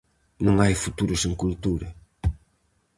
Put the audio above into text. Non hai futuro sen cultura.